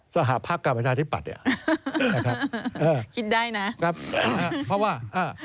สหภัคกับประชาธิปัตย์คิดได้นะ